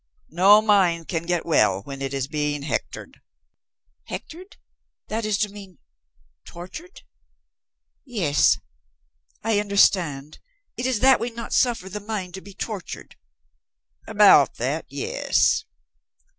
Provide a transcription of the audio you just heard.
No mind can get well when it is being hectored." "Hectored? That is to mean tortured? Yes, I understand. It is that we not suffer the mind to be tortured?" "About that, yes."